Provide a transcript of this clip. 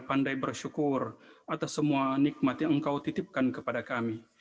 pandai bersyukur atas semua nikmat yang engkau titipkan kepada kami